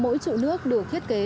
mỗi trụ nước được thiết kế